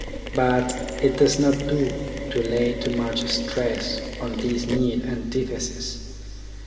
But it does not do to lay too much stress on these neat antitheses.